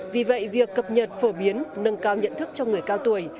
vì vậy việc cập nhật phổ biến nâng cao nhận thức cho người cao tuổi